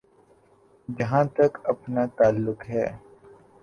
جہاں تک اپنا تعلق ہے۔